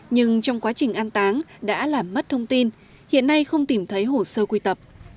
nhưng trong quá trình an táng đã làm mất thông tin hiện nay không tìm thấy hồ sơ quy tập